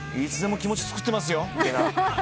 いつでも気持ちつくってますよみたいな。